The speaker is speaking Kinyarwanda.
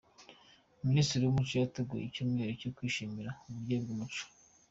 Minisiteri yumuco yateguye icyumweru cyo kwishimira uburyohe bw’umuco